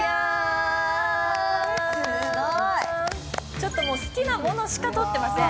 ちょっと好きなものしか取ってません。